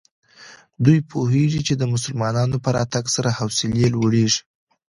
دوی پوهېږي چې د مسلمانانو په راتګ سره حوصلې لوړېږي.